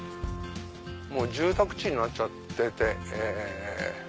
もう住宅地になっちゃってて。